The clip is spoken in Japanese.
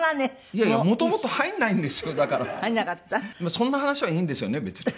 そんな話はいいんですよね別に。